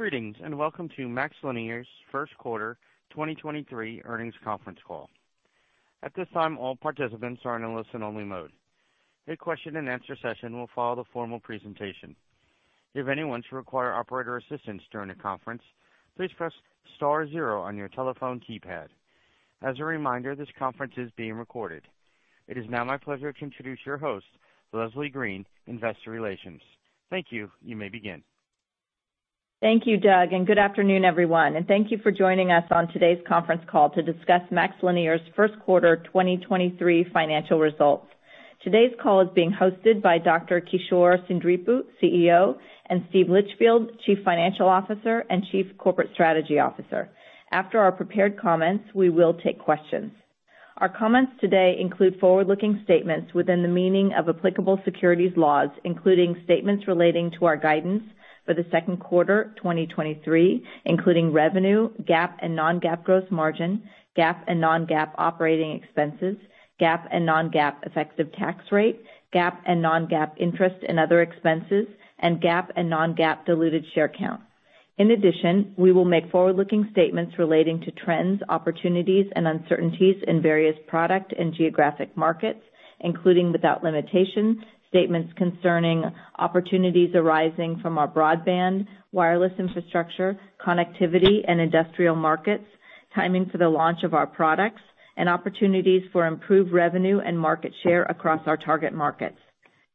Greetings, welcome to MaxLinear's First Quarter 2023 Earnings Conference Call. At this time, all participants are in a listen-only mode. A Q&A session will follow the formal presentation. If anyone should require operator assistance during the conference, please press star zero on your telephone keypad. As a reminder, this conference is being recorded. It is now my pleasure to introduce your host, Leslie Green, Investor Relations. Thank you. You may begin. Thank you, Doug, and good afternoon, everyone, and thank you for joining us on today's conference call to discuss MaxLinear's first quarter 2023 financial results. Today's call is being hosted by Dr. Kishore Seendripu, CEO, and Steve Litchfield, Chief Financial Officer and Chief Corporate Strategy Officer. After our prepared comments, we will take questions. Our comments today include forward-looking statements within the meaning of applicable securities laws, including statements relating to our guidance for the second quarter 2023, including revenue, GAAP and non-GAAP gross margin, GAAP and non-GAAP operating expenses, GAAP and non-GAAP effective tax rate, GAAP and non-GAAP interest in other expenses, and GAAP and non-GAAP diluted share count. In addition, we will make forward-looking statements relating to trends, opportunities, and uncertainties in various product and geographic markets, including without limitation, statements concerning opportunities arising from our broadband, wireless infrastructure, connectivity and industrial markets, timing for the launch of our products, and opportunities for improved revenue and market share across our target markets.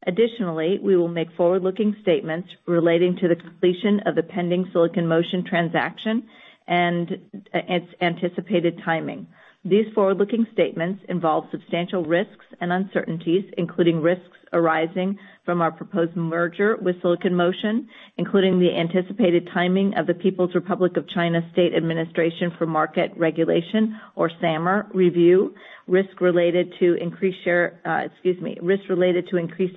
Additionally, we will make forward-looking statements relating to the completion of the pending Silicon Motion transaction and its anticipated timing. These forward-looking statements involve substantial risks and uncertainties, including risks arising from our proposed merger with Silicon Motion, including the anticipated timing of the People's Republic of China State Administration for Market Regulation, or SAMR, review, risk related to increased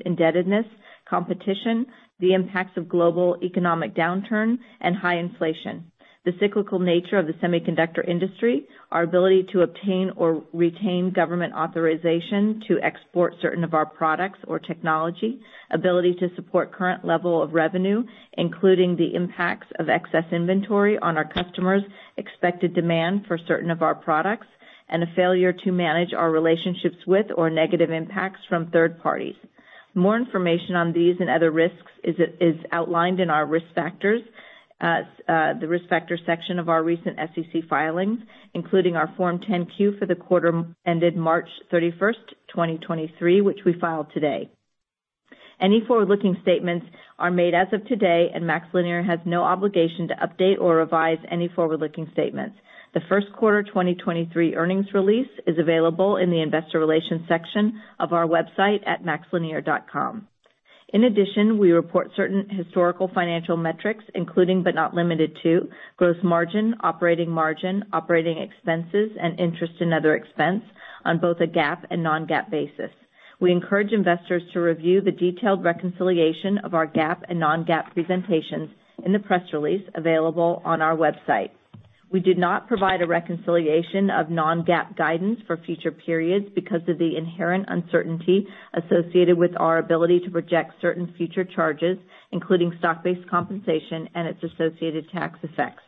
indebtedness, competition, the impacts of global economic downturn and high inflation, the cyclical nature of the semiconductor industry, our ability to obtain or retain government authorization to export certain of our products or technology, ability to support current level of revenue, including the impacts of excess inventory on our customers, expected demand for certain of our products, and a failure to manage our relationships with or negative impacts from third parties. More information on these and other risks is outlined in our risk factors, the risk factor section of our recent SEC filings, including our Form 10-Q for the quarter ended March 31, 2023, which we filed today. Any forward-looking statements are made as of today. MaxLinear has no obligation to update or revise any forward-looking statements. The first quarter 2023 earnings release is available in the investor relations section of our website at maxlinear.com. In addition, we report certain historical financial metrics, including but not limited to gross margin, operating margin, operating expenses, and interest and other expense on both a GAAP and non-GAAP basis. We encourage investors to review the detailed reconciliation of our GAAP and non-GAAP presentations in the press release available on our website. We do not provide a reconciliation of non-GAAP guidance for future periods because of the inherent uncertainty associated with our ability to project certain future charges, including stock-based compensation and its associated tax effects.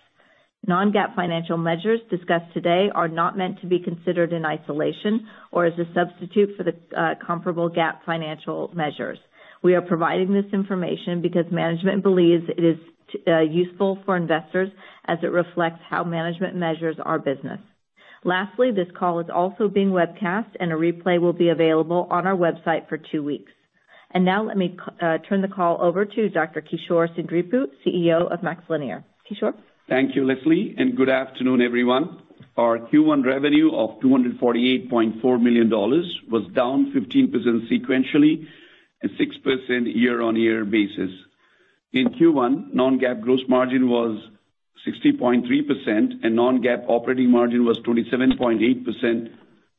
Non-GAAP financial measures discussed today are not meant to be considered in isolation or as a substitute for the comparable GAAP financial measures. We are providing this information because management believes it is useful for investors as it reflects how management measures our business. Lastly, this call is also being webcast, and a replay will be available on our website for two weeks. Let me turn the call over to Dr. Kishore Seendripu, CEO of MaxLinear. Kishore. Thank you, Leslie. Good afternoon, everyone. Our Q1 revenue of $248.4 million was down 15% sequentially and 6% year-on-year basis. In Q1, non-GAAP gross margin was 60.3%, and non-GAAP operating margin was 27.8%,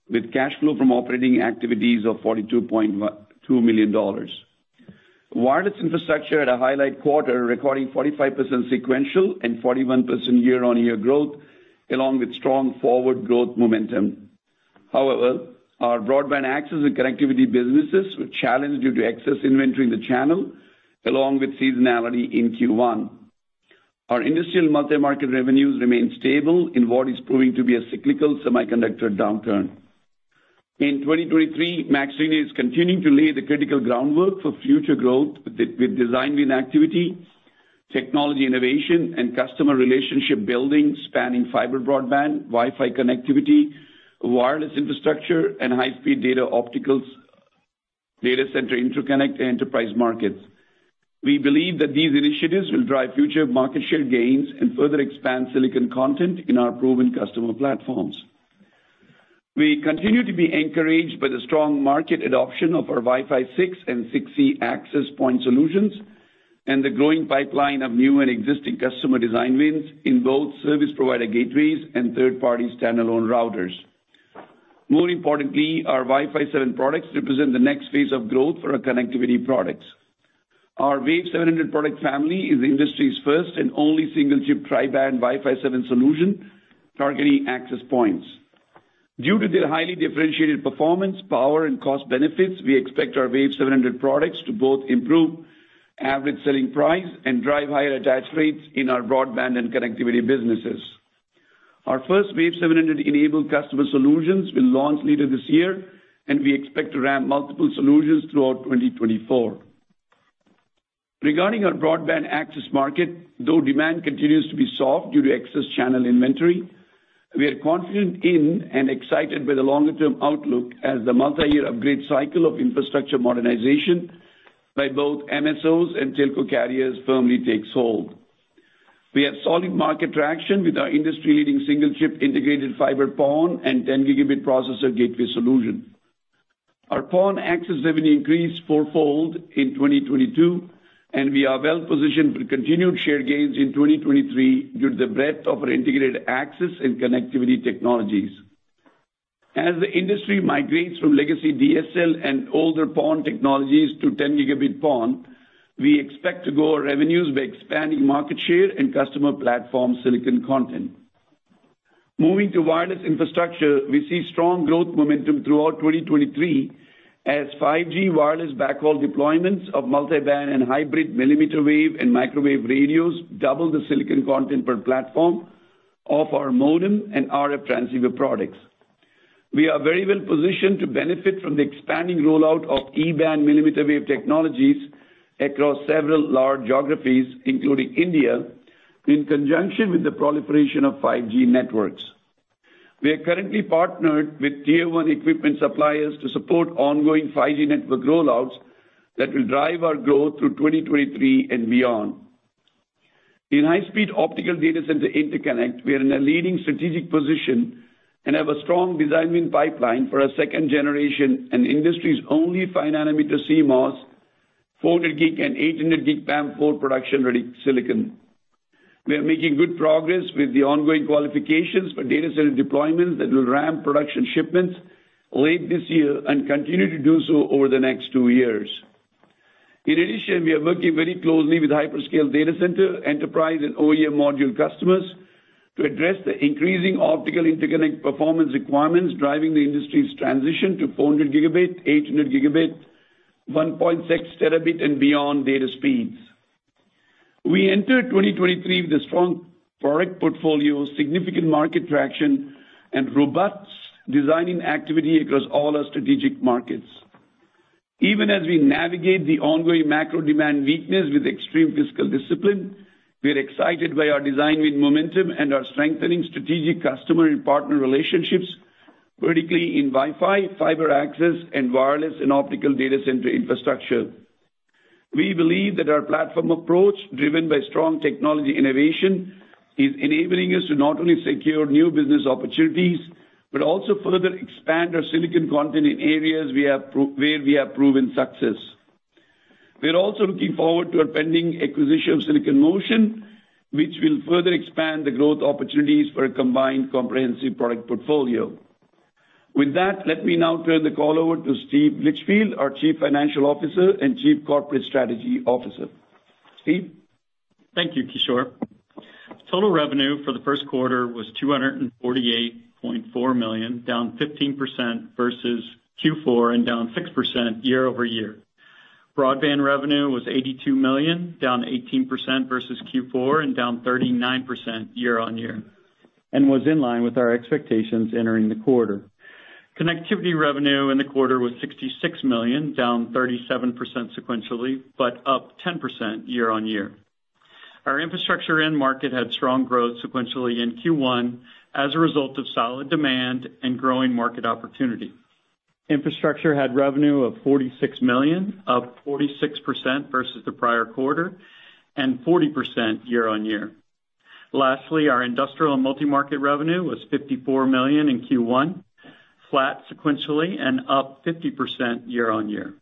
with cash flow from operating activities of $42.2 million. Wireless infrastructure at a highlight quarter, recording 45% sequential and 41% year-on-year growth, along with strong forward growth momentum. Our broadband access and connectivity businesses were challenged due to excess inventory in the channel, along with seasonality in Q1. Our industrial multi-market revenues remained stable in what is proving to be a cyclical semiconductor downturn. In 2023, MaxLinear is continuing to lay the critical groundwork for future growth with design win activity, technology innovation, and customer relationship building, spanning fiber broadband, Wi-Fi connectivity, wireless infrastructure, and high-speed data opticals data center interconnect enterprise markets. We believe that these initiatives will drive future market share gains and further expand silicon content in our proven customer platforms. We continue to be encouraged by the strong market adoption of our Wi-Fi 6 and 6E access point solutions and the growing pipeline of new and existing customer design wins in both service provider gateways and third-party standalone routers. More importantly, our Wi-Fi 7 products represent the next phase of growth for our connectivity products. Our WAV700 product family is the industry's first and only single-chip tri-band Wi-Fi 7 solution targeting access points. Due to their highly differentiated performance, power and cost benefits, we expect our WAV700 products to both improve average selling price and drive higher attach rates in our broadband and connectivity businesses. Our first WAV700 enabled customer solutions will launch later this year and we expect to ramp multiple solutions throughout 2024. Regarding our broadband access market, though demand continues to be soft due to excess channel inventory, we are confident in and excited by the longer-term outlook as the multi-year upgrade cycle of infrastructure modernization by both MSOs and telco carriers firmly takes hold. We have solid market traction with our industry-leading single chip integrated fiber PON and 10 Gb processor gateway solution. Our PON access revenue increased four-fold in 2022, and we are well-positioned for continued share gains in 2023 due to the breadth of our integrated access and connectivity technologies. As the industry migrates from legacy DSL and older PON technologies to 10 Gb PON, we expect to grow our revenues by expanding market share and customer platform silicon content. Moving to wireless infrastructure, we see strong growth momentum throughout 2023 as 5G wireless backhaul deployments of multi-band and hybrid millimeter wave and microwave radios double the silicon content per platform of our modem and RF transceiver products. We are very well-positioned to benefit from the expanding rollout of E-band mmWave technologies across several large geographies, including India, in conjunction with the proliferation of 5G networks. We are currently partnered with tier-one equipment suppliers to support ongoing 5G network rollouts that will drive our growth through 2023 and beyond. In high-speed optical data center interconnect, we are in a leading strategic position and have a strong design win pipeline for our second generation and industry's only 5nm CMOS 400 Gb and 800 Gb PAM4 production-ready silicon. We are making good progress with the ongoing qualifications for data center deployments that will ramp production shipments late this year and continue to do so over the next two years. In addition, we are working very closely with hyperscale data center, enterprise and OEM module customers to address the increasing optical interconnect performance requirements driving the industry's transition to 400 Gb, 800 Gb, 1.6 Tb and beyond data speeds. We enter 2023 with a strong product portfolio, significant market traction and robust designing activity across all our strategic markets. Even as we navigate the ongoing macro demand weakness with extreme fiscal discipline, we are excited by our design win momentum and our strengthening strategic customer and partner relationships vertically in Wi-Fi, fiber access and wireless and optical data center infrastructure. We believe that our platform approach, driven by strong technology innovation, is enabling us to not only secure new business opportunities but also further expand our silicon content in areas where we have proven success. We are also looking forward to our pending acquisition of Silicon Motion, which will further expand the growth opportunities for a combined comprehensive product portfolio. With that, let me now turn the call over to Steve Litchfield, our Chief Financial Officer and Chief Corporate Strategy Officer. Steve? Thank you, Kishore. Total revenue for the first quarter was $248.4 million, down 15% versus Q4 and down 6% year-over-year. Broadband revenue was $82 million, down 18% versus Q4 and down 39% year-on-year and was in line with our expectations entering the quarter. Connectivity revenue in the quarter was $66 million, down 37% sequentially, but up 10% year-on-year. Our infrastructure end market had strong growth sequentially in Q1 as a result of solid demand and growing market opportunity. Infrastructure had revenue of $46 million, up 46% versus the prior quarter and 40% year-on-year. Lastly, our industrial and multi-market revenue was $54 million in Q1, flat sequentially and up 50% year-on-year.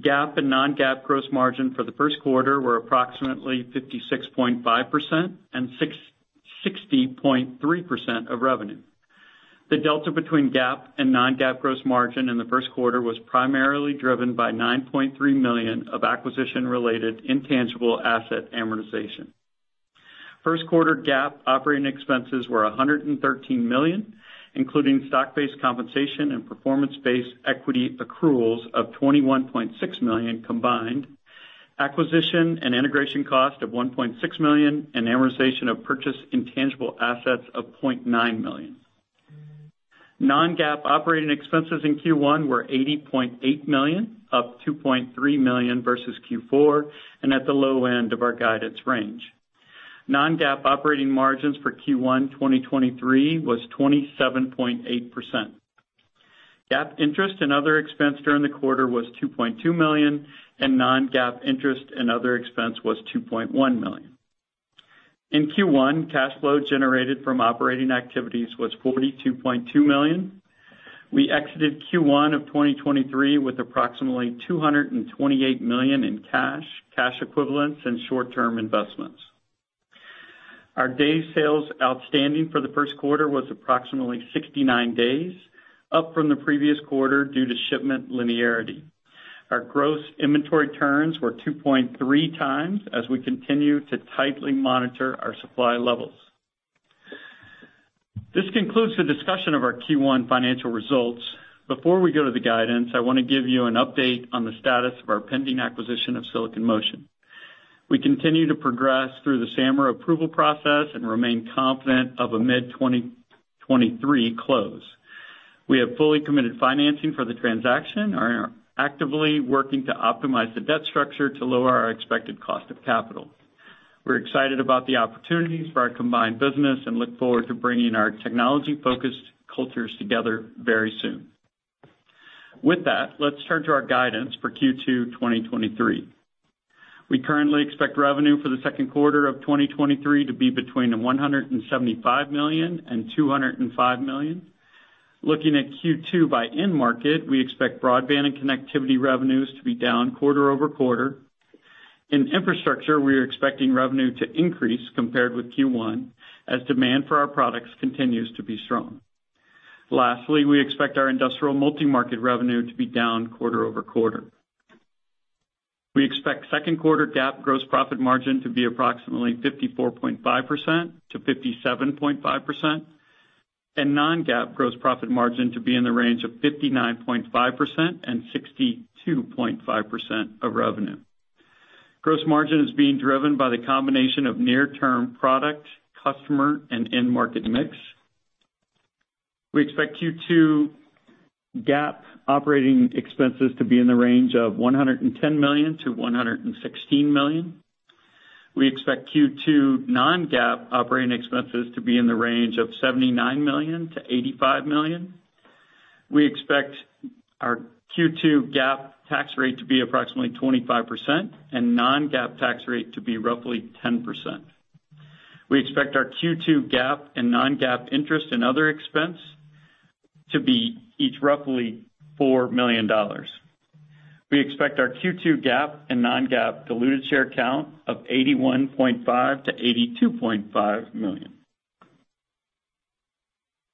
GAAP and non-GAAP gross margin for the first quarter were approximately 56.5% and 60.3% of revenue. The delta between GAAP and non-GAAP gross margin in the first quarter was primarily driven by $9.3 million of acquisition-related intangible asset amortization. First quarter GAAP operating expenses were $113 million, including stock-based compensation and performance-based equity accruals of $21.6 million combined, acquisition and integration cost of $1.6 million and amortization of purchased intangible assets of $0.9 million. Non-GAAP operating expenses in Q1 were $80.8 million, up $2.3 million versus Q4 and at the low end of our guidance range. Non-GAAP operating margins for Q1 2023 was 27.8%. GAAP interest and other expense during the quarter was $2.2 million and non-GAAP interest and other expense was $2.1 million. In Q1, cash flow generated from operating activities was $42.2 million. We exited Q1 of 2023 with approximately $228 million in cash equivalents and short-term investments. Our day sales outstanding for the first quarter was approximately 69 days, up from the previous quarter due to shipment linearity. Our gross inventory turns were 2.3x as we continue to tightly monitor our supply levels. This concludes the discussion of our Q1 financial results. Before we go to the guidance, I want to give you an update on the status of our pending acquisition of Silicon Motion. We continue to progress through the SAMR approval process and remain confident of a mid-2023 close. We have fully committed financing for the transaction and are actively working to optimize the debt structure to lower our expected cost of capital. We're excited about the opportunities for our combined business and look forward to bringing our technology-focused cultures together very soon. With that, let's turn to our guidance for Q2 2023. We currently expect revenue for the second quarter of 2023 to be between $175 million and $205 million. Looking at Q2 by end market, we expect broadband and connectivity revenues to be down quarter-over-quarter. In infrastructure, we are expecting revenue to increase compared with Q1 as demand for our products continues to be strong. Lastly, we expect our industrial multi-market revenue to be down quarter-over-quarter. We expect second quarter GAAP gross profit margin to be approximately 54.5%-57.5%, and non-GAAP gross profit margin to be in the range of 59.5%-62.5% of revenue. Gross margin is being driven by the combination of near-term product, customer, and end-market mix. We expect Q2 GAAP Operating Expenses to be in the range of $110 million-$116 million. We expect Q2 non-GAAP Operating Expenses to be in the range of $79 million-$85 million. We expect our Q2 GAAP tax rate to be approximately 25% and non-GAAP tax rate to be roughly 10%. We expect our Q2 GAAP and non-GAAP interest and other expense to be each roughly $4 million. We expect our Q2 GAAP and non-GAAP diluted share count of 81.5 million-82.5 million.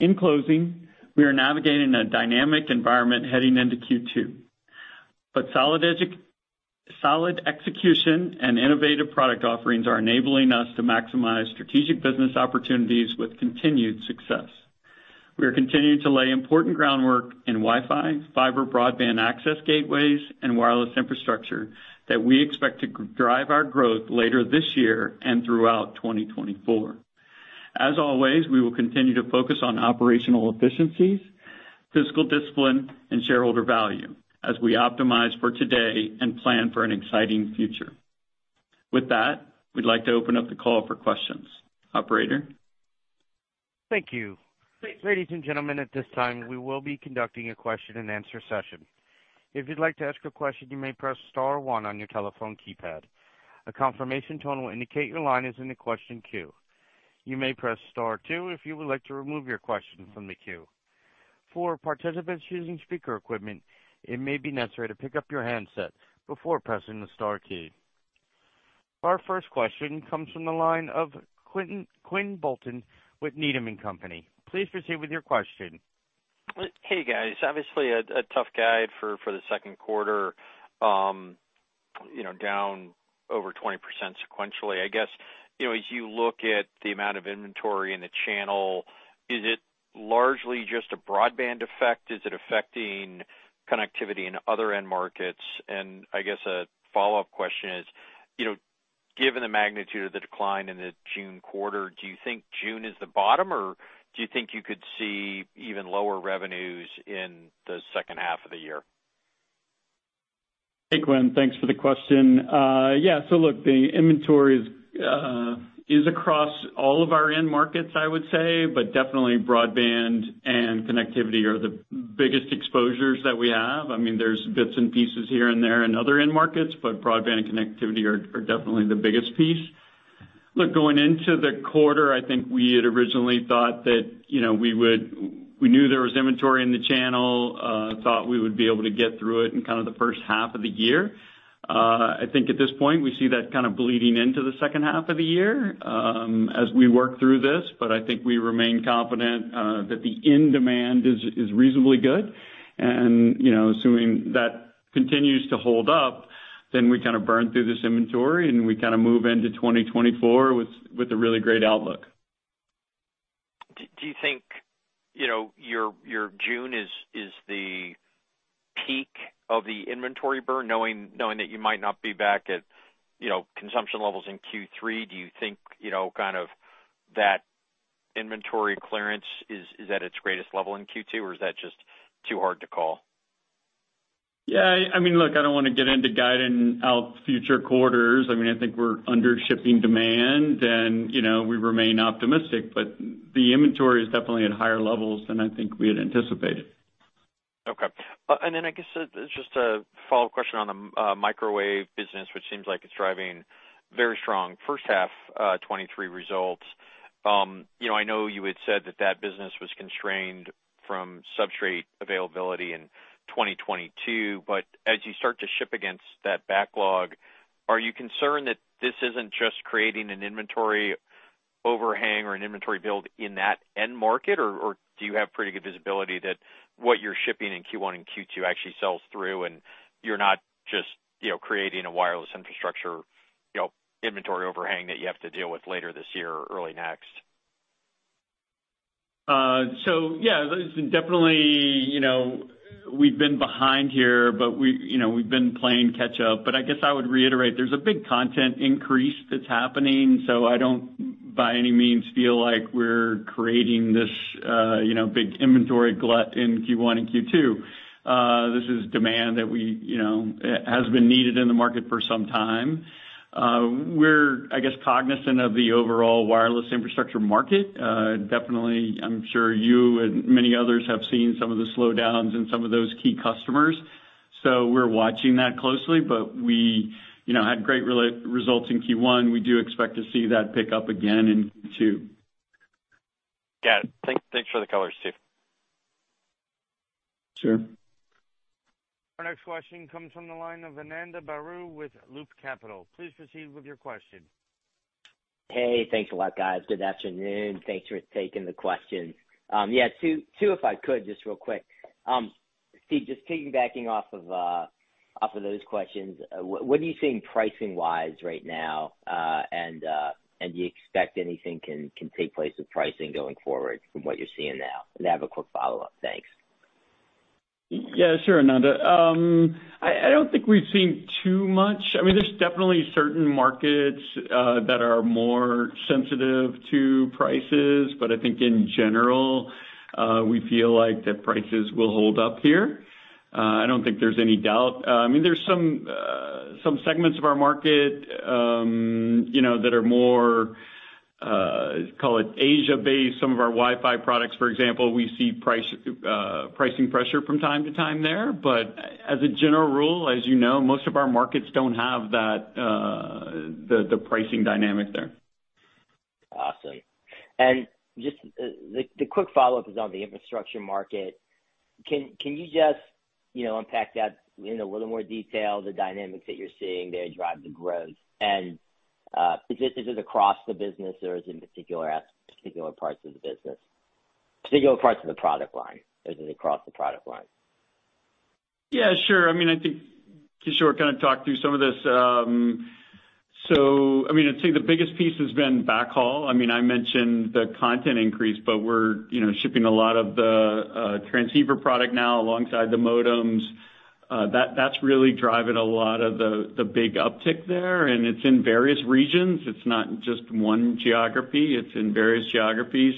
In closing, we are navigating a dynamic environment heading into Q2. Solid execution and innovative product offerings are enabling us to maximize strategic business opportunities with continued success. We are continuing to lay important groundwork in Wi-Fi, fiber broadband access gateways, and wireless infrastructure that we expect to drive our growth later this year and throughout 2024. As always, we will continue to focus on operational efficiencies, fiscal discipline, and shareholder value as we optimize for today and plan for an exciting future. With that, we'd like to open up the call for questions. Operator? Thank you. Ladies and gentlemen, at this time, we will be conducting a Q&A session. If you'd like to ask a question, you may press star one on your telephone keypad. A confirmation tone will indicate your line is in the question queue. You may press star two if you would like to remove your question from the queue. For participants using speaker equipment, it may be necessary to pick up your handset before pressing the star key. Our first question comes from the line of Quinn Bolton with Needham & Company. Please proceed with your question. Hey, guys. Obviously a tough guide for the second quarter, you know, down over 20% sequentially. I guess, you know, as you look at the amount of inventory in the channel, is it largely just a broadband effect? Is it affecting connectivity in other end markets? I guess a follow-up question is, you know, given the magnitude of the decline in the June quarter, do you think June is the bottom, or do you think you could see even lower revenues in the second half of the year? Hey, Quinn, thanks for the question. Yeah, look, the inventory is across all of our end markets, I would say, but definitely broadband and connectivity are the biggest exposures that we have. I mean, there's bits and pieces here and there in other end markets, but broadband and connectivity are definitely the biggest piece. Look, going into the quarter, I think we had originally thought that, you know, we knew there was inventory in the channel, thought we would be able to get through it in kind of the first half of the year. I think at this point, we see that kind of bleeding into the second half of the year, as we work through this. I think we remain confident that the end demand is reasonably good. You know, assuming that continues to hold up, then we kind of burn through this inventory, and we kind of move into 2024 with a really great outlook. Do you think, you know, your June is the peak of the inventory burn? Knowing that you might not be back at, you know, consumption levels in Q3, do you think, you know, kind of that inventory clearance is at its greatest level in Q2, or is that just too hard to call? Yeah. I mean, look, I don't wanna get into guiding out future quarters. I mean, I think we're under shipping demand and, you know, we remain optimistic, but the inventory is definitely at higher levels than I think we had anticipated. Okay. I guess just a follow-up question on the microwave business, which seems like it's driving very strong first half 2023 results. You know, I know you had said that that business was constrained from substrate availability in 2022, but as you start to ship against that backlog, are you concerned that this isn't just creating an inventory overhang or an inventory build in that end market? Or do you have pretty good visibility that what you're shipping in Q1 and Q2 actually sells through and you're not just, you know, creating a wireless infrastructure, you know, inventory overhang that you have to deal with later this year or early next? Yeah, definitely, you know, we've been behind here, but we've been playing catch up. I guess I would reiterate there's a big content increase that's happening, so I don't by any means feel like we're creating this, you know, big inventory glut in Q1 and Q2. This is demand that we, you know, has been needed in the market for some time. We're, I guess, cognizant of the overall wireless infrastructure market. Definitely, I'm sure you and many others have seen some of the slowdowns in some of those key customers, so we're watching that closely. We, you know, had great results in Q1. We do expect to see that pick up again in Q2. Got it. Thanks for the colors, Steve. Sure. Our next question comes from the line of Ananda Baruah with Loop Capital. Please proceed with your question. Hey, thanks a lot, guys. Good afternoon. Thanks for taking the question. yeah, two if I could, just real quick. Steve, just piggybacking off of those questions, what are you seeing pricing-wise right now, and do you expect anything can take place with pricing going forward from what you're seeing now? I have a quick follow-up. Thanks. Sure, Ananda. I don't think we've seen too much. I mean, there's definitely certain markets that are more sensitive to prices, but I think in general, we feel like that prices will hold up here. I don't think there's any doubt. I mean, there's some segments of our market, you know, that are more, call it Asia-based. Some of our Wi-Fi products, for example, we see price pricing pressure from time to time there. As a general rule, as you know, most of our markets don't have that, the pricing dynamic there. Awesome. Just, the quick follow-up is on the infrastructure market. Can you just, you know, unpack that in a little more detail, the dynamics that you're seeing there drive the growth? Is this, is it across the business or is it in particular parts of the business, particular parts of the product line, or is it across the product line? Sure. I mean, I think Kishore kind of talked through some of this. I mean, I'd say the biggest piece has been backhaul. I mean, I mentioned the content increase, we're, you know, shipping a lot of the transceiver product now alongside the modems. That's really driving a lot of the big uptick there. It's in various regions. It's not just one geography. It's in various geographies.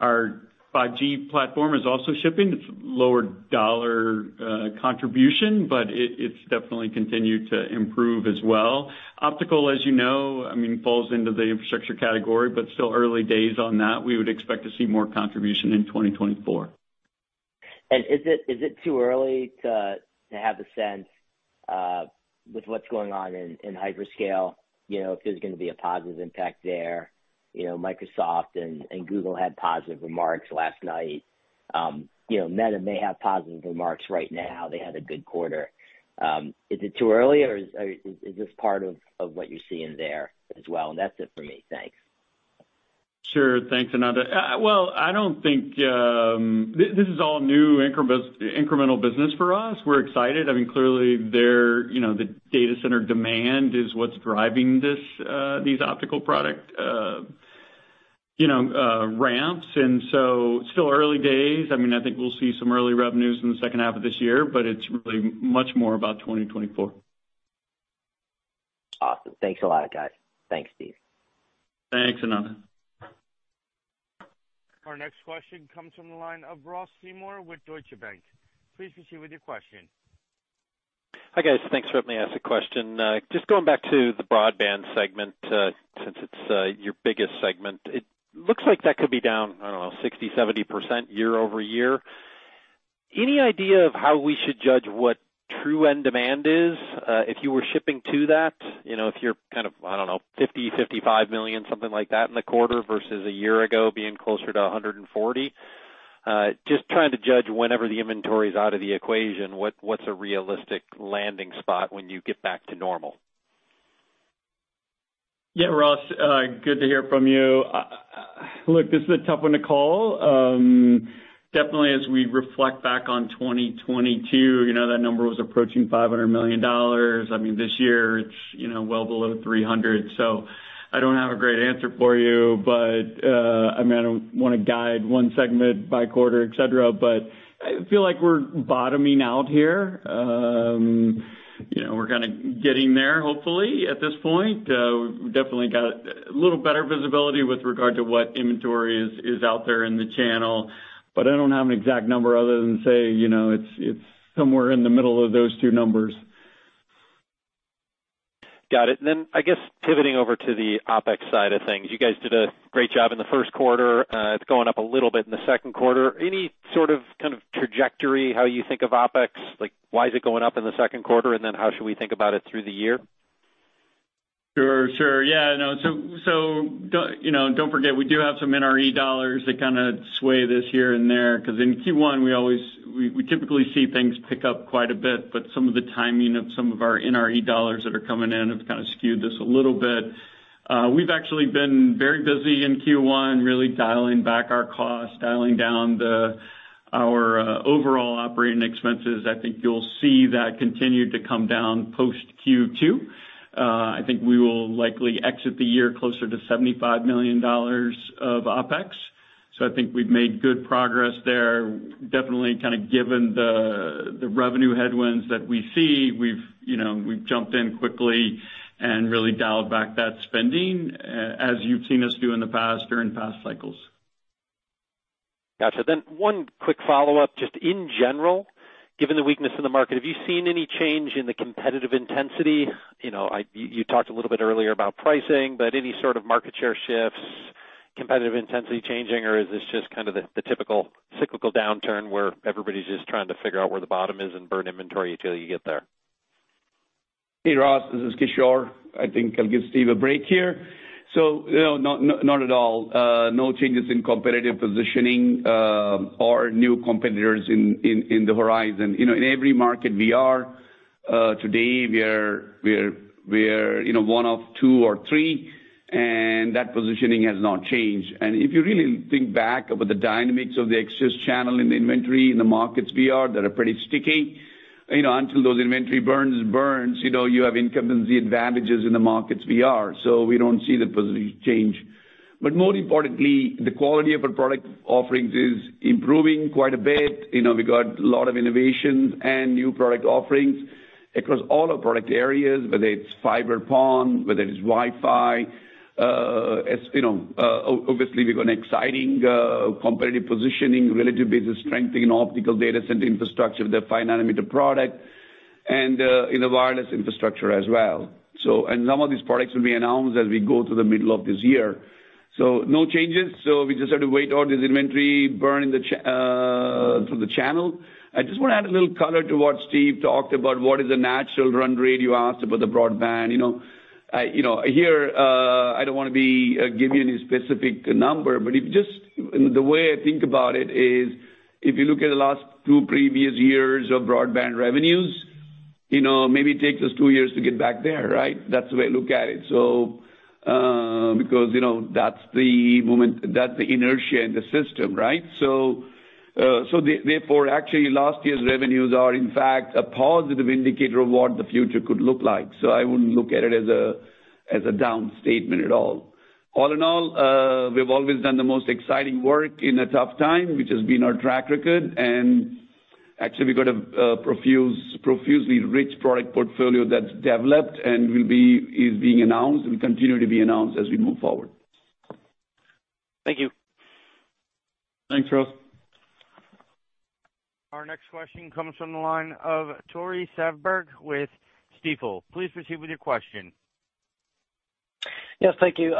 Our 5G platform is also shipping. It's lower dollar contribution, it's definitely continued to improve as well. Optical, as you know, I mean, falls into the infrastructure category, still early days on that. We would expect to see more contribution in 2024. Is it too early to have a sense, with what's going on in hyperscale, you know, if there's gonna be a positive impact there? You know, Microsoft and Google had positive remarks last night. You know, Meta may have positive remarks right now. They had a good quarter. Is it too early or is this part of what you're seeing there as well? That's it for me. Thanks. Sure. Thanks, Ananda Baruah. Well, I don't think this is all new incremental business for us. We're excited. I mean, clearly there, you know, the data center demand is what's driving this, these optical product, you know, ramps, and so still early days. I mean, I think we'll see some early revenues in the second half of this year, but it's really much more about 2024. Awesome. Thanks a lot, guys. Thanks, Steve. Thanks, Ananda. Our next question comes from the line of Ross Seymore with Deutsche Bank. Please proceed with your question. Hi, guys. Thanks for letting me ask a question. Just going back to the broadband segment, since it's your biggest segment. It looks like that could be down, I don't know, 60%-70% year-over-year. Any idea of how we should judge what true end demand is if you were shipping to that? You know, if you're kind of, I don't know, $50 million-$55 million, something like that in the quarter versus a year ago being closer to $140 million. Just trying to judge whenever the inventory's out of the equation, what's a realistic landing spot when you get back to normal? Yeah, Ross, good to hear from you. Look, this is a tough one to call. Definitely as we reflect back on 2022, you know, that number was approaching $500 million. I mean, this year it's, you know, well below $300 million. I don't have a great answer for you. I mean, I don't wanna guide one segment by quarter, etc., but I feel like we're bottoming out here. You know, we're kinda getting there, hopefully, at this point. We've definitely got a little better visibility with regard to what inventory is out there in the channel, but I don't have an exact number other than say, you know, it's somewhere in the middle of those two numbers. Got it. I guess pivoting over to the OpEx side of things, you guys did a great job in the first quarter. It's going up a little bit in the second quarter. Any sort of kind of trajectory how you think of OpEx? Like, why is it going up in the second quarter, and then how should we think about it through the year? you know, don't forget, we do have some NRE dollars that kind of sway this here and there because in Q1 we typically see things pick up quite a bit, but some of the timing of some of our NRE dollars that are coming in have kind of skewed this a little bit. We've actually been very busy in Q1, really dialing back our costs, dialing down our overall operating expenses. I think you'll see that continue to come down post Q2. I think we will likely exit the year closer to $75 million of OpEx. I think we've made good progress there. Definitely kind of given the revenue headwinds that we see, we've, you know, we've jumped in quickly and really dialed back that spending as you've seen us do in the past during past cycles. Gotcha. One quick follow-up. Just in general, given the weakness in the market, have you seen any change in the competitive intensity? You know, you talked a little bit earlier about pricing, but any sort of market share shifts, competitive intensity changing, or is this just kind of the typical cyclical downturn where everybody's just trying to figure out where the bottom is and burn inventory until you get there? Hey, Ross, this is Kishore. I think I'll give Steve a break here. You know, not at all. No changes in competitive positioning, or new competitors in the horizon. You know, in every market we are, today, we're, you know, one of two or three, and that positioning has not changed. If you really think back about the dynamics of the excess channel in the inventory in the markets we are that are pretty sticky, you know, until those inventory burns, you know, you have incumbency advantages in the markets we are. We don't see the position change. More importantly, the quality of our product offerings is improving quite a bit. You know, we've got a lot of innovations and new product offerings across all our product areas, whether it's fiber PON, whether it's Wi-Fi. As you know, obviously, we've got exciting competitive positioning, relative business strengthening in optical data center infrastructure with the 5nm product and in the wireless infrastructure as well. Some of these products will be announced as we go through the middle of this year. No changes. We just have to wait all this inventory burn through the channel. I just wanna add a little color to what Steve talked about what is the natural run rate you asked about the broadband, you know. I, you know, here, I don't wanna be give you any specific number, but if you the way I think about it is, if you look at the last two previous years of broadband revenues, you know, maybe it takes us two years to get back there, right? That's the way I look at it. Because, you know, that's the inertia in the system, right? Therefore, actually last year's revenues are, in fact, a positive indicator of what the future could look like. I wouldn't look at it as a, as a down statement at all. All in all, we've always done the most exciting work in a tough time, which has been our track record. Actually, we've got a profusely rich product portfolio that's developed and is being announced and will continue to be announced as we move forward. Thank you. Thanks, Ross. Our next question comes from the line of Tore Svanberg with Stifel. Please proceed with your question. Yes, thank you.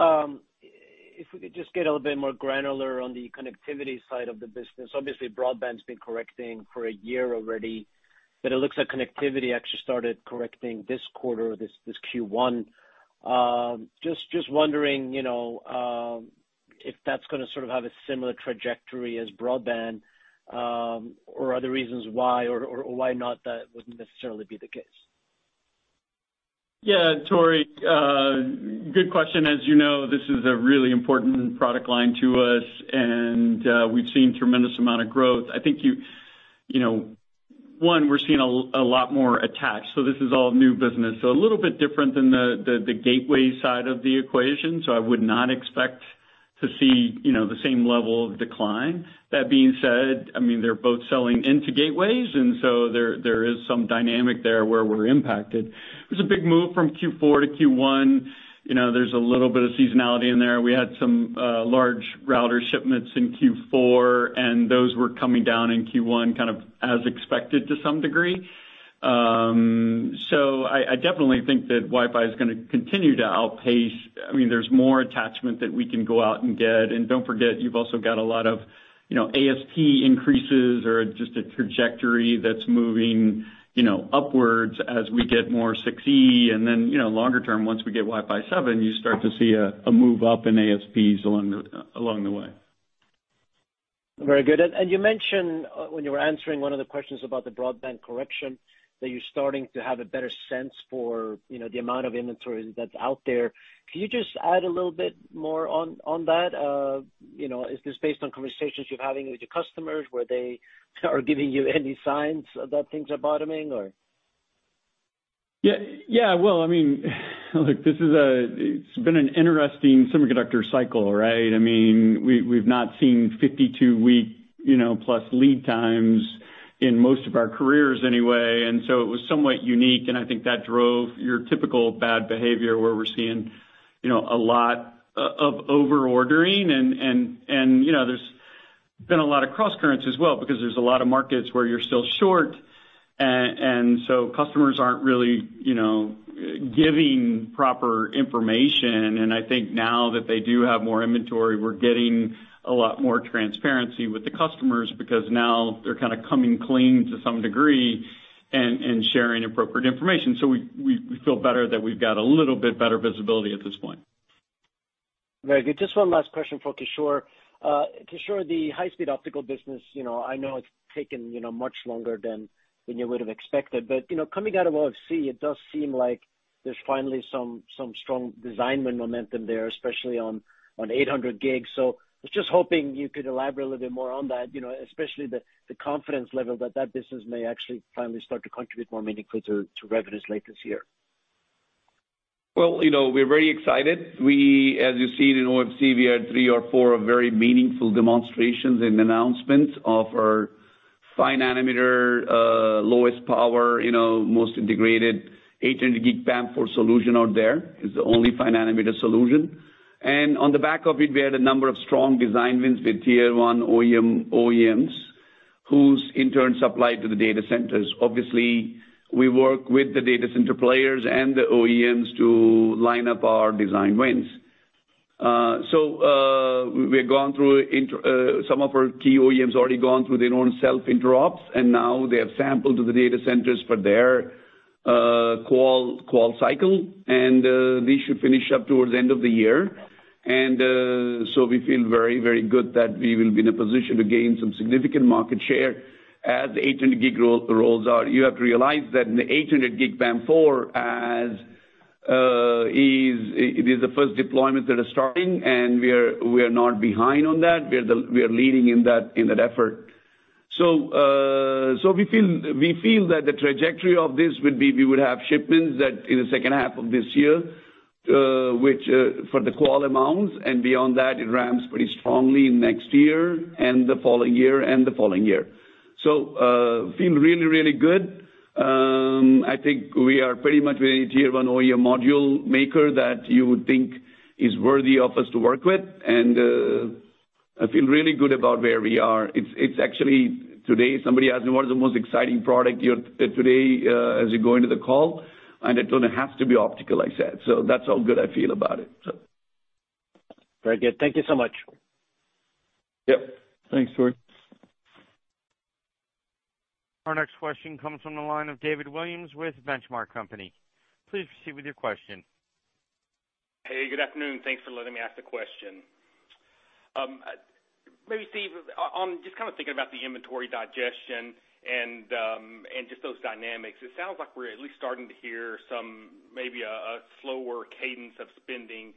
If we could just get a little bit more granular on the connectivity side of the business. Obviously, broadband's been correcting for a year already, but it looks like connectivity actually started correcting this quarter, this Q1. Just wondering, you know, if that's gonna sort of have a similar trajectory as broadband, or other reasons why or why not that wouldn't necessarily be the case? Yeah, Tore, good question. As you know, this is a really important product line to us, and, we've seen tremendous amount of growth. I think you know, one, we're seeing a lot more attached, so this is all new business. A little bit different than the gateway side of the equation, so I would not expect to see, you know, the same level of decline. That being said, I mean, they're both selling into gateways, and so there is some dynamic there where we're impacted. It was a big move from Q4 to Q1. You know, there's a little bit of seasonality in there. We had some large router shipments in Q4, and those were coming down in Q1, kind of as expected to some degree. I definitely think that Wi-Fi is gonna continue to outpace. I mean, there's more attachment that we can go out and get. Don't forget, you've also got a lot of, you know, ASP increases or just a trajectory that's moving, you know, upwards as we get more 6E and then, you know, longer term, once we get Wi-Fi 7, you start to see a move up in ASPs along the, along the way. Very good. You mentioned, when you were answering one of the questions about the broadband correction, that you're starting to have a better sense for, you know, the amount of inventory that's out there. Can you just add a little bit more on that? You know, is this based on conversations you're having with your customers where they are giving you any signs that things are bottoming or? Yeah, yeah. Well, I mean, look, this is it's been an interesting semiconductor cycle, right? I mean, we've not seen 52-week, you know, plus lead times in most of our careers anyway. It was somewhat unique, and I think that drove your typical bad behavior where we're seeing, you know, a lot of over ordering and, you know, there's been a lot of crosscurrents as well because there's a lot of markets where you're still short. Customers aren't really, you know, giving proper information. I think now that they do have more inventory, we're getting a lot more transparency with the customers because now they're kinda coming clean to some degree and sharing appropriate information. We feel better that we've got a little bit better visibility at this point. Very good. Just one last question for Kishore. Kishore, the high-speed optical business, you know, I know it's taken, you know, much longer than you would have expected. You know, coming out of OFC, it does seem like there's finally some strong design win momentum there, especially on 800 Gb. I was just hoping you could elaborate a little bit more on that, you know, especially the confidence level that that business may actually finally start to contribute more meaningfully to revenues late this year. Well, you know, we're very excited. As you see it in OFC, we had three or four very meaningful demonstrations and announcements of our 5nm, lowest power, you know, most integrated 800 Gb PAM4 solution out there. It's the only 5nm solution. On the back of it, we had a number of strong design wins with tier one OEMs, whose in turn supply to the data centers. Obviously, we work with the data center players and the OEMs to line up our design wins. We've gone through some of our key OEMs already gone through their own self-interops, and now they have sampled to the data centers for their qual cycle. They should finish up towards the end of the year. We feel very, very good that we will be in a position to gain some significant market share as the 800 Gb rolls out. You have to realize that in the 800 Gb PAM4 is the first deployment that is starting, and we are not behind on that. We are leading in that, in that effort. We feel that the trajectory of this would be, we would have shipments in the second half of this year, which for the qual amounts, and beyond that it ramps pretty strongly next year and the following year and the following year. Feel really, really good. I think we are pretty much with a tier one OEM module maker that you would think is worthy of us to work with. I feel really good about where we are. It's actually today somebody asked me what is the most exciting product you're today as you go into the call? It's gonna have to be optical, I said. That's how good I feel about it, so. Very good. Thank you so much. Yep. Thanks, Tore. Our next question comes from the line of David Williams with The Benchmark Company. Please proceed with your question. Hey, good afternoon. Thanks for letting me ask the question. Maybe Steve, on just kind of thinking about the inventory digestion and just those dynamics, it sounds like we're at least starting to hear some maybe a slower cadence of spending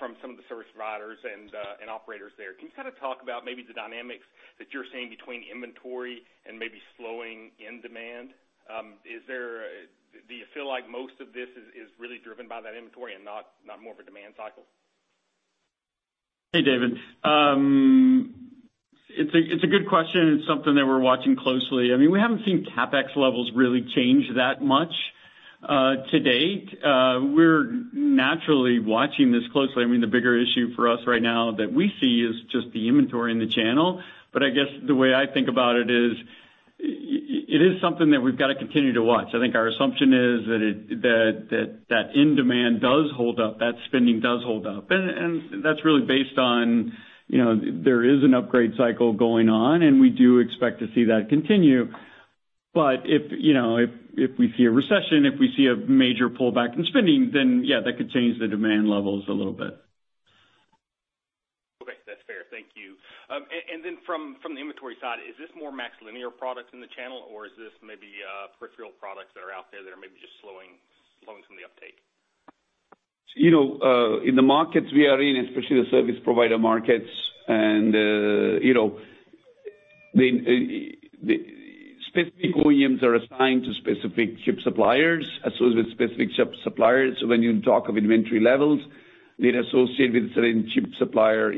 from some of the service providers and operators there. Can you kind of talk about maybe the dynamics that you're seeing between inventory and maybe slowing end demand? Do you feel like most of this is really driven by that inventory and not more of a demand cycle? Hey, David. It's a good question. It's something that we're watching closely. I mean, we haven't seen CapEx levels really change that much to date. We're naturally watching this closely. I mean, the bigger issue for us right now that we see is just the inventory in the channel. I guess the way I think about it is, it is something that we've got to continue to watch. I think our assumption is that that end demand does hold up, that spending does hold up. That's really based on, you know, there is an upgrade cycle going on, and we do expect to see that continue. If, you know, if we see a recession, if we see a major pullback in spending, then yeah, that could change the demand levels a little bit. Okay. That's fair. Thank you. Then from the inventory side, is this more MaxLinear product in the channel, or is this maybe peripheral products that are out there that are maybe just slowing some of the uptake? You know, in the markets we are in, especially the service provider markets and, you know, the specific OEMs are assigned to specific chip suppliers, associated with specific chip suppliers. When you talk of inventory levels, they're associated with certain chip supplier,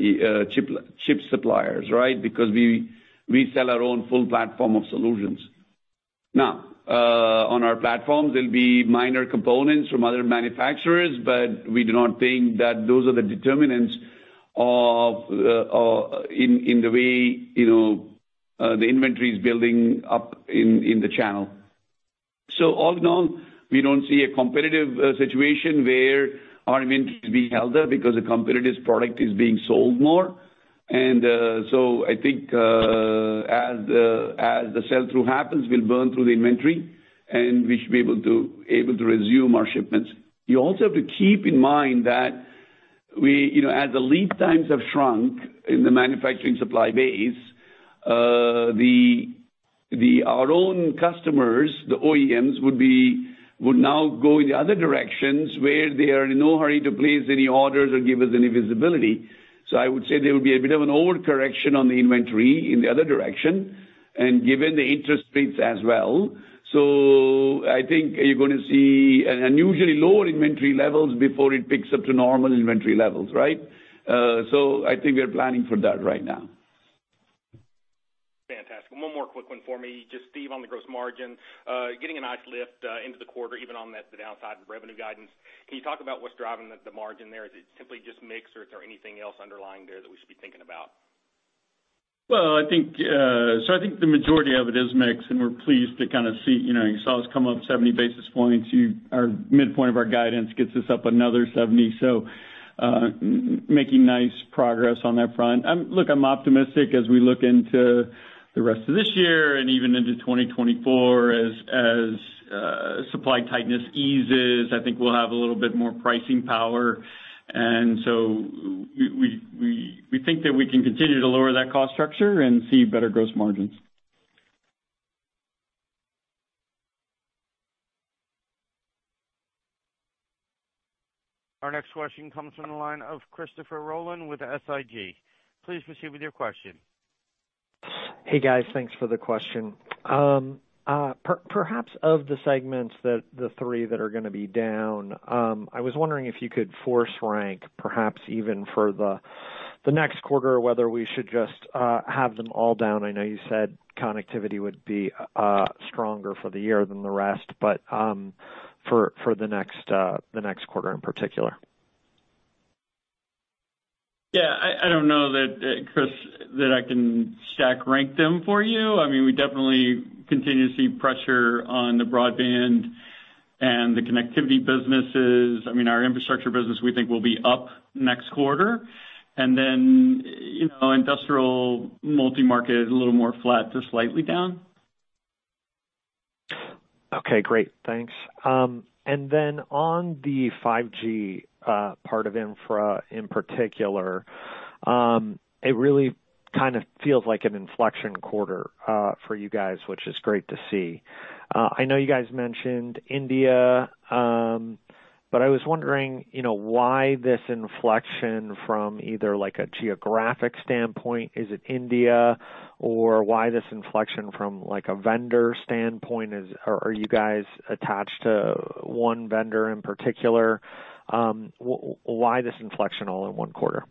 chip suppliers, right? Because we sell our own full platform of solutions. On our platforms, there'll be minor components from other manufacturers, but we do not think that those are the determinants of in the way the inventory is building up in the channel. All in all, we don't see a competitive situation where our inventory is being held up because a competitor's product is being sold more. I think as the sell-through happens, we'll burn through the inventory, and we should be able to resume our shipments. You also have to keep in mind that you know, as the lead times have shrunk in the manufacturing supply base, our own customers, the OEMs, would now go in the other directions where they are in no hurry to place any orders or give us any visibility. I would say there will be a bit of an overcorrection on the inventory in the other direction, and given the interest rates as well. I think you're gonna see unusually lower inventory levels before it picks up to normal inventory levels, right? I think we're planning for that right now. Fantastic. One more quick one for me. Just Steve, on the gross margin, getting a nice lift into the quarter, even on that, the downside of the revenue guidance. Can you talk about what's driving the margin there? Is it simply just mix, or is there anything else underlying there that we should be thinking about? I think, so I think the majority of it is mix, and we're pleased to kind of see, you know, you saw us come up 70 basis points. Our midpoint of our guidance gets us up another 70. Making nice progress on that front. Look, I'm optimistic as we look into the rest of this year and even into 2024 as, supply tightness eases. I think we'll have a little bit more pricing power. We think that we can continue to lower that cost structure and see better gross margins. Our next question comes from the line of Christopher Rolland with SIG. Please proceed with your question. Hey, guys. Thanks for the question. Perhaps of the segments that the three that are gonna be down, I was wondering if you could force rank perhaps even for the next quarter or whether we should just have them all down. I know you said connectivity would be stronger for the year than the rest, for the next quarter in particular. I don't know that, Chris, that I can stack rank them for you. I mean, we definitely continue to see pressure on the broadband and the connectivity businesses. I mean, our infrastructure business we think will be up next quarter. Then, you know, industrial multi-market, a little more flat to slightly down. Okay, great. Thanks. Then on the 5G, part of infra in particular, it really kind of feels like an inflection quarter for you guys, which is great to see. I know you guys mentioned India, I was wondering, you know, why this inflection from either like a geographic standpoint, is it India? Why this inflection from like a vendor standpoint are you guys attached to one vendor in particular? Why this inflection all in one quarter?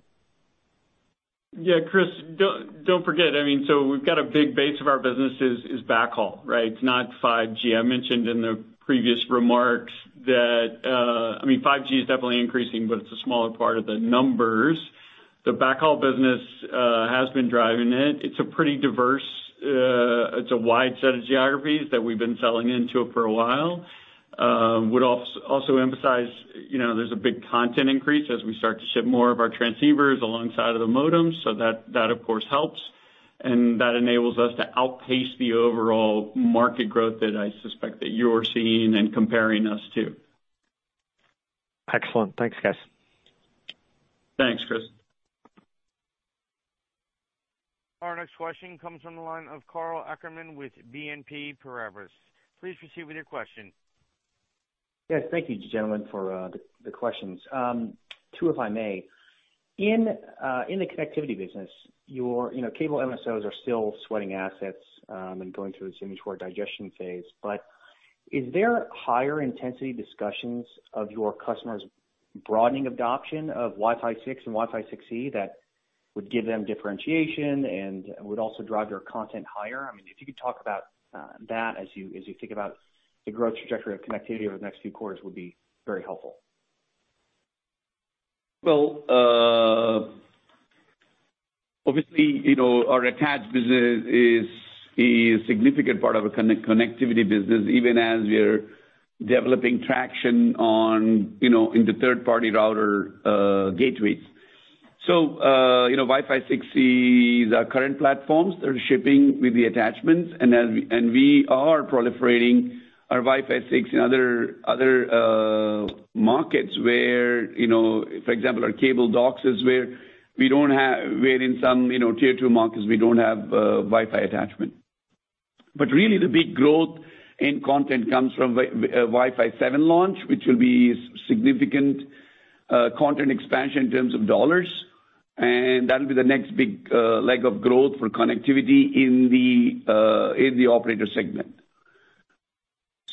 Yeah, Chris, don't forget, I mean, we've got a big base of our business is backhaul, right? It's not 5G. I mentioned in the previous remarks that, I mean, 5G is definitely increasing, but it's a smaller part of the numbers. The backhaul business has been driving it. It's a pretty diverse, it's a wide set of geographies that we've been selling into for a while. would also emphasize, you know, there's a big content increase as we start to ship more of our transceivers alongside of the modem, that of course helps. That enables us to outpace the overall market growth that I suspect that you're seeing and comparing us to. Excellent. Thanks, guys. Thanks, Chris. Our next question comes from the line of Karl Ackerman with BNP Paribas. Please proceed with your question. Yes, thank you, gentlemen, for the questions. Two, if I may. In the connectivity business, your, you know, cable MSOs are still sweating assets and going through a similar digestion phase. Is there higher intensity discussions of your customers broadening adoption of Wi-Fi 6 and Wi-Fi 6E that would give them differentiation and would also drive your content higher? I mean, if you could talk about that as you think about the growth trajectory of connectivity over the next few quarters would be very helpful. Well, obviously, you know, our attached business is a significant part of our connectivity business, even as we're developing traction on, you know, in the third party router gateways. You know, Wi-Fi 6E is our current platforms. They're shipping with the attachments. And we are proliferating our Wi-Fi 6 in other markets where, you know, for example, our cable DOCSIS where in some, you know, tier two markets, we don't have Wi-Fi attachment. Really the big growth in content comes from Wi-Fi 7 launch, which will be significant content expansion in terms of dollars, and that'll be the next big leg of growth for connectivity in the operator segment.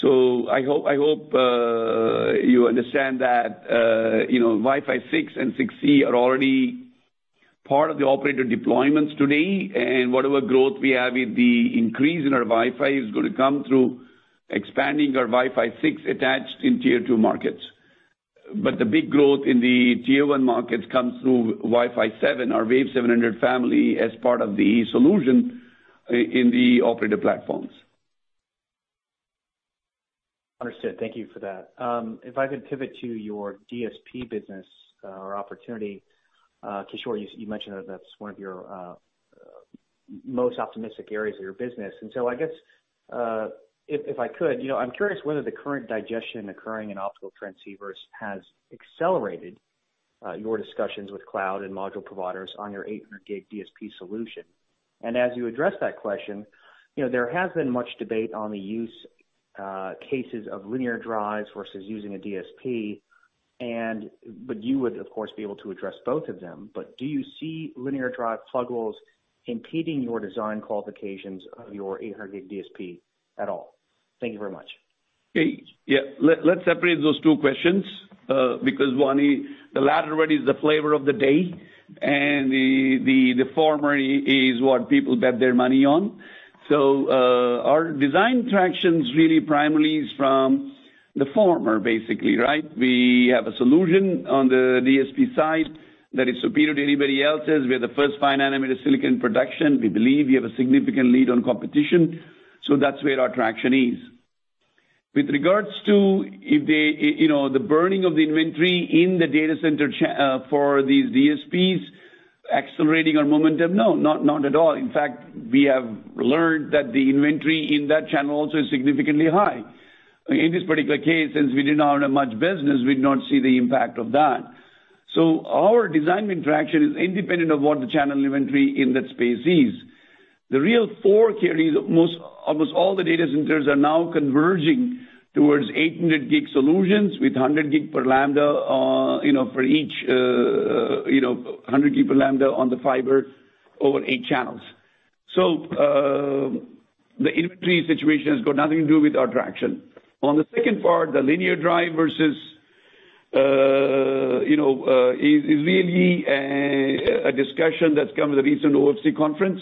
I hope, you understand that, you know, Wi-Fi 6 and 6E are already part of the operator deployments today. Whatever growth we have with the increase in our Wi-Fi is gonna come through expanding our Wi-Fi 6 attached in tier two markets. The big growth in the tier one markets comes through Wi-Fi 7, our WAV700 family, as part of the solution in the operator platforms. Understood. Thank you for that. If I could pivot to your DSP business, or opportunity. Kishore, you mentioned that that's one of your most optimistic areas of your business. So I guess, if I could, you know, I'm curious whether the current digestion occurring in optical transceivers has accelerated your discussions with cloud and module providers on your 800 Gb DSP solution. As you address that question, you know, there has been much debate on the use cases of linear drives versus using a DSP. But you would, of course, be able to address both of them. But do you see linear drive pluggables impeding your design qualifications of your 800 Gb DSP at all? Thank you very much. Hey, yeah. Let's separate those two questions because one, the latter one is the flavor of the day, and the former is what people bet their money on. Our design traction's really primarily is from the former, basically, right? We have a solution on the DSP side that is superior to anybody else's. We're the first 5nm silicon production. We believe we have a significant lead on competition. That's where our traction is. With regards to if the, you know, the burning of the inventory in the data center for these DSPs accelerating our momentum, no, not at all. In fact, we have learned that the inventory in that channel also is significantly high. In this particular case, since we did not own that much business, we did not see the impact of that. Our design interaction is independent of what the channel inventory in that space is. The real four carries, almost all the data centers are now converging towards 800 Gb solutions with 100 Gb per lambda, you know, for each, you know, 100 Gb per lambda on the fiber over eight channels. The inventory situation has got nothing to do with our traction. On the second part, the linear drive versus, you know, is really a discussion that's come with the recent OFC conference,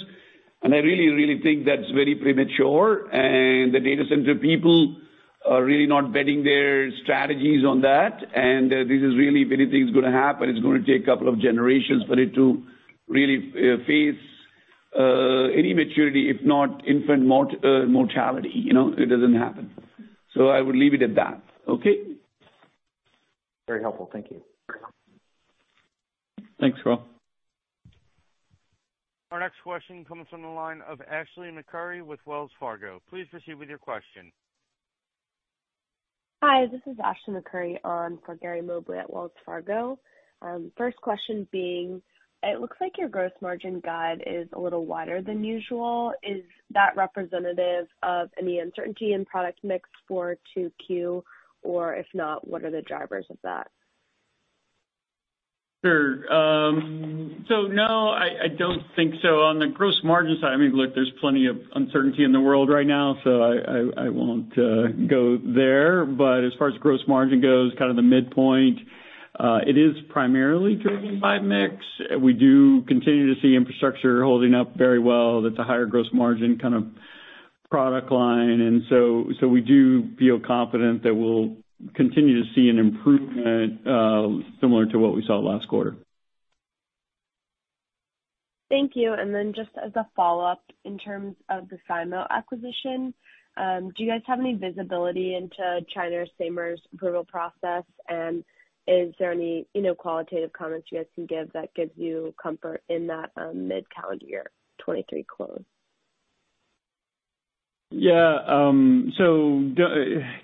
and I really, really think that's very premature. The data center people are really not betting their strategies on that. This is really, if anything's going to happen, it's going to take a couple of generations for it to really face any maturity, if not infant mortality. You know, it doesn't happen. I would leave it at that. Okay? Very helpful. Thank you. Thanks, Raul. Our next question comes from the line of Ashley McCurry with Wells Fargo. Please proceed with your question. Hi, this is Ashley McCurry on for Gary Mobley at Wells Fargo. First question being, it looks like your gross margin guide is a little wider than usual. Is that representative of any uncertainty in product mix for Q2? If not, what are the drivers of that? Sure. No, I don't think so. On the gross margin side, I mean, look, there's plenty of uncertainty in the world right now, so I won't go there. As far as gross margin goes, kind of the midpoint, it is primarily driven by mix. We do continue to see infrastructure holding up very well. That's a higher gross margin kind of product line. So we do feel confident that we'll continue to see an improvement, similar to what we saw last quarter. Thank you. Just as a follow-up in terms of the SIMO acquisition, do you guys have any visibility into China's SAMR's approval process? Is there any, you know, qualitative comments you guys can give that gives you comfort in that, mid-calendar year 2023 close? Yeah.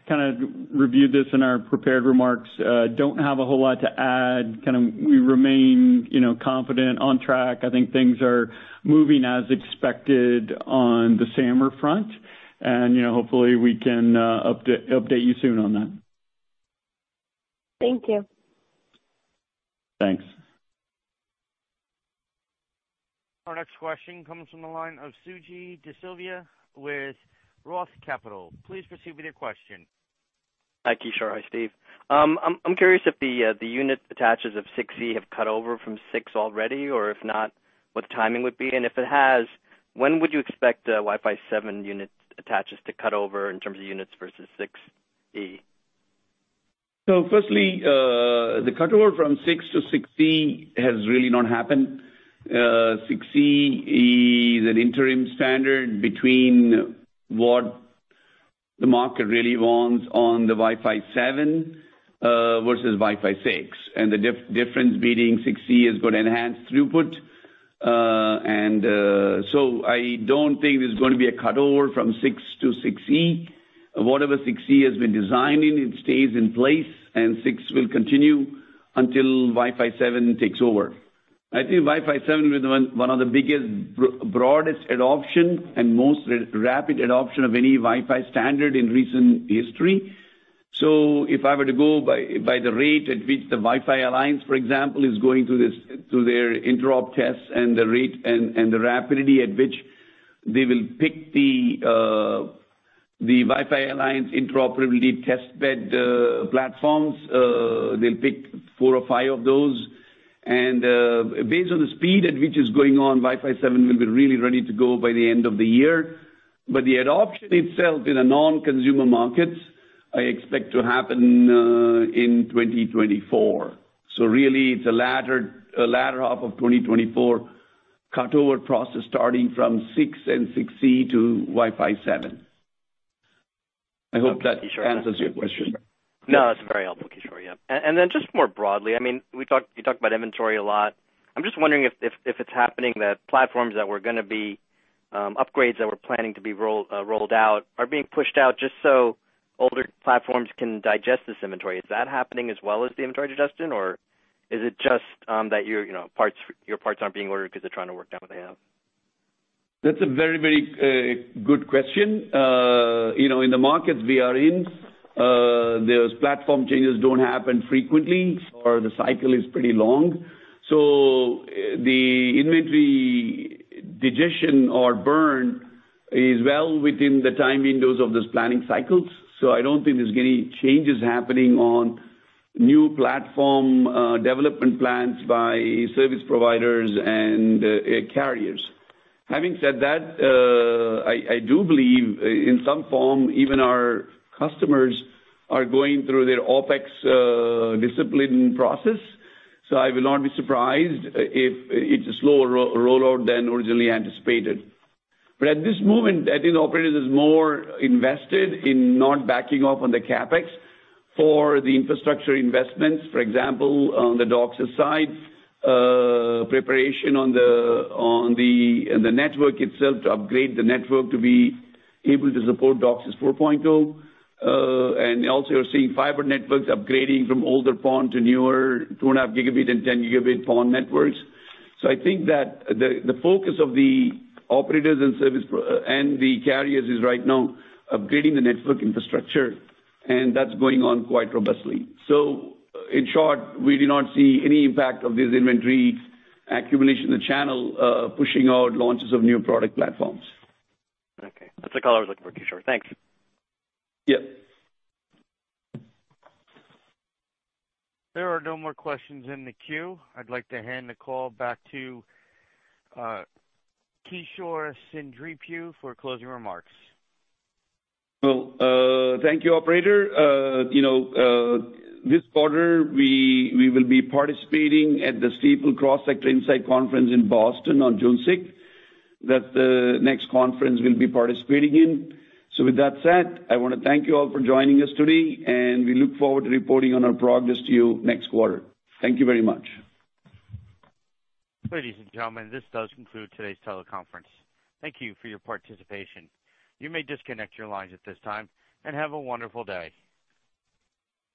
Kinda reviewed this in our prepared remarks. Don't have a whole lot to add. Kinda we remain, you know, confident on track. I think things are moving as expected on the SAMR front, you know, hopefully we can update you soon on that. Thank you. Thanks. Our next question comes from the line of Suji DeSilva with ROTH Capital. Please proceed with your question. Hi, Kishore. Hi, Steve. I'm curious if the unit attaches of 6E have cut over from six already, or if not, what the timing would be. If it has, when would you expect Wi-Fi 7 unit attaches to cut over in terms of units versus 6E? Firstly, the cut over from 6 to 6E has really not happened. 6E is an interim standard between what the market really wants on the Wi-Fi 7 versus Wi-Fi 6. The difference being 6E has got enhanced throughput. I don't think there's gonna be a cut over from 6 to 6E. Whatever 6E has been designing, it stays in place, and 6 will continue until Wi-Fi 7 takes over. I think Wi-Fi 7 will be one of the biggest, broadest adoption and most rapid adoption of any Wi-Fi standard in recent history. If I were to go by the rate at which the Wi-Fi Alliance, for example, is going through this, through their interop tests and the rate and the rapidity at which they will pick the Wi-Fi Alliance interoperability test bed, platforms, they'll pick four or five of those. Based on the speed at which is going on, Wi-Fi 7 will be really ready to go by the end of the year. The adoption itself in a non-consumer markets, I expect to happen in 2024. Really the latter half of 2024 cut over process starting from 6 and 6E to Wi-Fi 7. I hope that answers your question. No, that's very helpful, Kishore. Yeah. Then just more broadly, I mean, you talked about inventory a lot. I'm just wondering if it's happening, the platforms that were gonna be upgrades that we're planning to be rolled out are being pushed out just so older platforms can digest this inventory. Is that happening as well as the inventory digestion, or is it just that your parts aren't being ordered because they're trying to work out what they have? That's a very good question. You know, in the markets we are in, those platform changes don't happen frequently, or the cycle is pretty long. The inventory digestion or burn is well within the time windows of those planning cycles. I don't think there's any changes happening on new platform development plans by service providers and carriers. Having said that, I do believe in some form, even our customers are going through their OpEx discipline process, so I will not be surprised if it's a slower rollout than originally anticipated. At this moment, I think operators is more invested in not backing off on the CapEx for the infrastructure investments. For example, on the DOCSIS side, preparation in the network itself to upgrade the network to be able to support DOCSIS 4.0. Also you're seeing fiber networks upgrading from older PON to newer 2.5 Gb and 10 Gb PON networks. I think that the focus of the operators and the carriers is right now upgrading the network infrastructure, and that's going on quite robustly. In short, we do not see any impact of this inventory accumulation in the channel, pushing out launches of new product platforms. Okay. That's the call I was looking for, Kishore. Thanks. Yeah. There are no more questions in the queue. I'd like to hand the call back to Kishore Seendripu for closing remarks. Well, thank you, Operator. You know, this quarter we will be participating at the Stifel Cross Sector Insight Conference in Boston on 6 June. That's the next conference we'll be participating in. With that said, I wanna thank you all for joining us today, and we look forward to reporting on our progress to you next quarter. Thank you very much. Ladies and gentlemen, this does conclude today's teleconference. Thank you for your participation. You may disconnect your lines at this time and have a wonderful day.